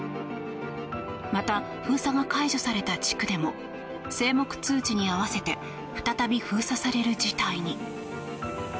また、封鎖の解除された地区でも静黙通知に合わせて再び封鎖される事態に。